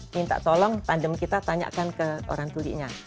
minta tolong tandem kita tanyakan ke orang tulinya